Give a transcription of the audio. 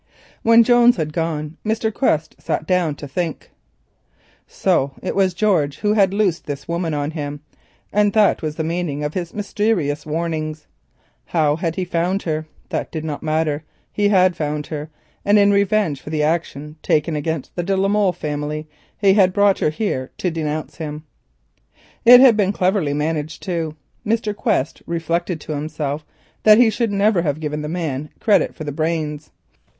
When Jones had gone Mr. Quest sat down to think. So George had loosed this woman on him, and that was the meaning of his mysterious warnings. How did he find her? That did not matter, he had found her, and in revenge for the action taken against the de la Molle family had brought her here to denounce him. It was cleverly managed, too. Mr. Quest reflected to himself that he should never have given the man credit for the brains.